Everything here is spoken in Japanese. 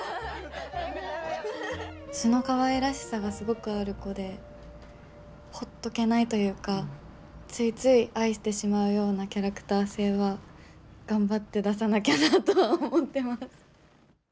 素のかわいらしさがすごくある子でほっとけないというかついつい愛してしまうようなキャラクター性は頑張って出さなきゃなとは思ってます。